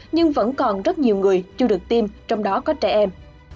nhưng vẫn còn rất nhiều người chưa được tiêm trong đó có trẻ em